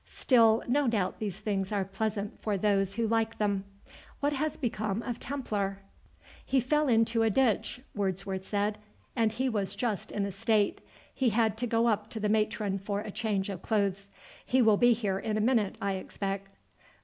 Still, no doubt these things are pleasant for those who like them. What has become of Templar?" "He fell into a ditch," Wordsworth said; "and he just was in a state. He had to go up to the matron for a change of clothes. He will be here in a minute, I expect."